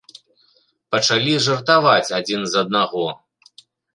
Пачалі жартаваць адзін з аднаго.